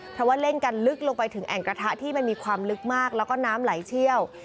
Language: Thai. เพราะว่าเล่นกันลึกลงไปถึงแอ่งกระทะที่มันมีความลึกมากแล้วก็น้ำไหลเชี่ยว